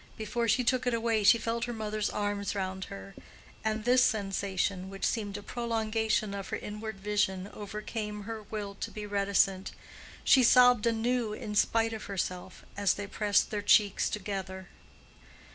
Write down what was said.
Before she took it away she felt her mother's arms round her, and this sensation, which seemed a prolongation of her inward vision, overcame her will to be reticent; she sobbed anew in spite of herself, as they pressed their cheeks together.